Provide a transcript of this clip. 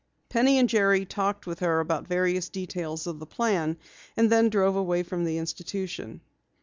Penny and Jerry talked with her about various details of the plan, and then drove away from the institution.